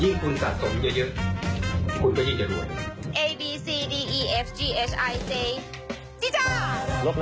ยิ่งคุณสะสมเยอะคุณก็ยิ่งเยอะรวย